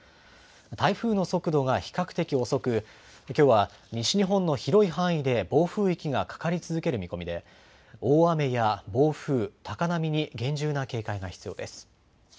台風の速度が比較的遅く、きょうは西日本の広い範囲で暴風域がかかり続ける見込みで、大雨や暴風、高波に厳重な警戒が必要です。